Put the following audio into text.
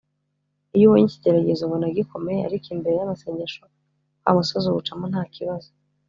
iyo ubonye ikigeragezo ubona gikomeye ariko imbere y'amasengesho wa musozi uwucamo nta kibazo